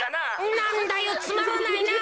なんだよつまらないなぁ。